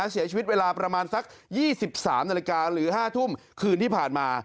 เสียชีวิตเวลาประมาณสัก๒๓นาฬิกาหรือ๕ทุ่มคืนที่ผ่านมา